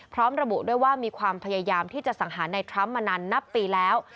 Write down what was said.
พร้อมระบุด้วยว่ามีความพยายามที่จะสังหารในทรัมป์มานานนับปีแล้ว